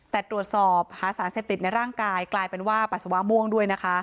แต่ตรวจสอบหาสารเสพติดในร่างกายกลายเป็นว่าปัสสาวะม่วงด้วยนะคะ